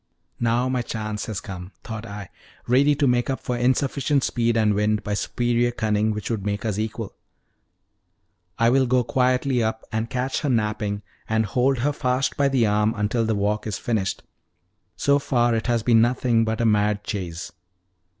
"Now my chance has come," thought I, ready to make up for insufficient speed and wind by superior cunning, which would make us equal. "I will go quietly up and catch her napping, and hold her fast by the arm until the walk is finished. So far it has been nothing but a mad chase."